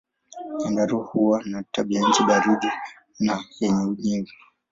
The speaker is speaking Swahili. Nyandarua huwa na tabianchi baridi na yenye unyevu.